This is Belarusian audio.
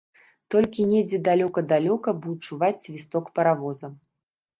Толькі недзе далёка-далёка быў чуваць свісток паравоза.